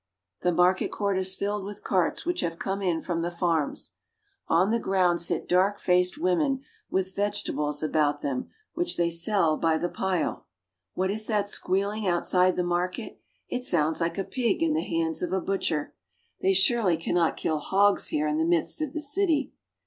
The market court is filled with carts which have come in from the farms. On the ground sit dark faced women with vegetables about them, which they sell by the pile. GREAT FRUIT AND BREAD LANDS. 187 What is that squealing outside the market? It sounds like a pig in the hands of a butcher. They surely cannot kill hogs here in the midst of the city.